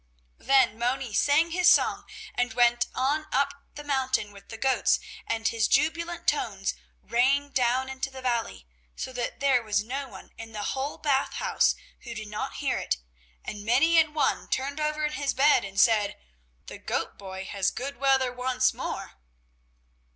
Then Moni sang his song and went on up the mountain with the goats, and his jubilant tones rang down into the valley, so that there was no one in the whole Bath House who did not hear it and many an one turned over in his bed and said: "The goat boy has good weather once more."